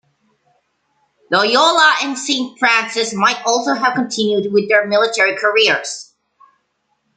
Loyola and Saint Francis might also have continued with their military careers.